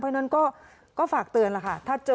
เพราะฉะนั้นก็ฝากเตือนล่ะค่ะ